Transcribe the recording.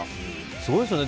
すごいですよね。